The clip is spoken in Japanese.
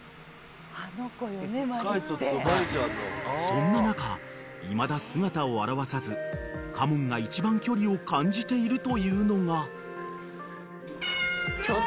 ［そんな中いまだ姿を現さず嘉門が一番距離を感じているというのが］